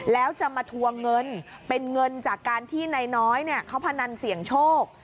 แล้วจะมาทวงเงินเป็นเงินจากการที่นายน้อยเขาพนันเสี่ยงโชค